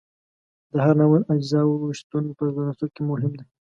د هر ناول اجزاو شتون په تناسب کې مهم دی.